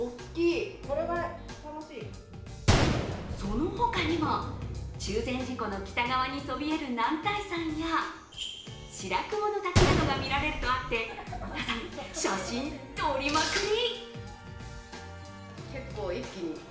その他にも、中禅寺湖の北側にそびえる男体山や白雲の滝などが見られるとあって皆さん、写真撮りまくり。